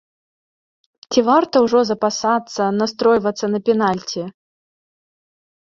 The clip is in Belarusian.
Ці варта ўжо запасацца настройвацца на пенальці?